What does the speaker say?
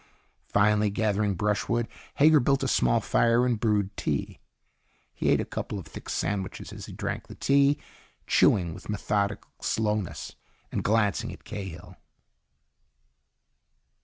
Finally, gathering brushwood, Hager built a small fire and brewed tea. He ate a couple of thick sandwiches as he drank the tea, chewing with methodic slowness and glancing at Cahill.